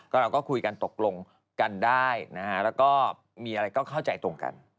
เราก็คุยกันตกลงกันได้นะฮะแล้วก็มีอะไรก็เข้าใจตรงกัน